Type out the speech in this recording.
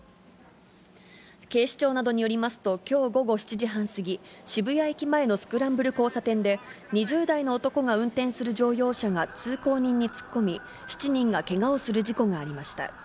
警視庁などによりますと、きょう午後７時半過ぎ、渋谷駅前のスクランブル交差点で、２０代の男が運転する乗用車が通行人に突っ込み、７人がけがをする事故がありました。